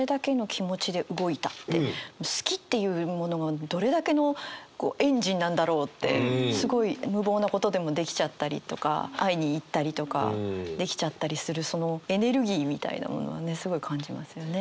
「好き」っていうものがどれだけのエンジンなんだろうってすごい無謀なことでもできちゃったりとか会いに行ったりとかできちゃったりするそのエネルギーみたいなものはねすごい感じますよね。